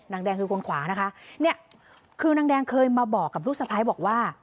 นางแดงคือคนขวานะคะเนี่ยคือนางแดงเคยมาบอกกับลูกสะพ้ายบอกว่า